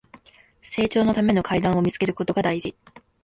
成長のための階段を見つけることが大事